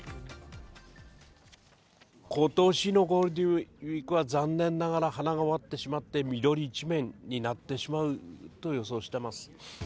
ことしのゴールデンウィークは、残念ながら花が終わってしまって、緑一面になってしまうと予想してます。